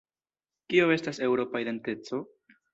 Kio estas Eŭropa identeco?